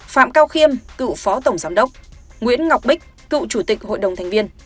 phạm cao khiêm cựu phó tổng giám đốc nguyễn ngọc bích cựu chủ tịch hội đồng thành viên